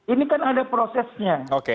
ini kan ada prosesnya